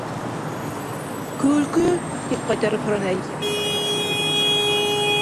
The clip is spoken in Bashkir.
—Көлкө? —тип ҡайтарып һораны Әлисә, ҡаушай биреп.